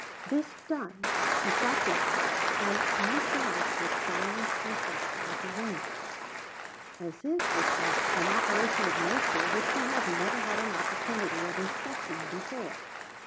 This done, he sat down, and looked out with silent interest at the rain as if it was an operation of Nature which he had never had an opportunity of inspecting before.